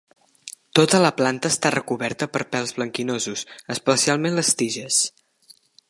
Tota la planta està recoberta per pèls blanquinosos, especialment les tiges.